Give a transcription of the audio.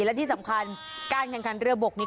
และที่สำคัญการแข่งขันเรือบกนี้